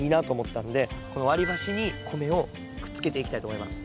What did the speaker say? この割り箸に米をくっつけていきたいと思います。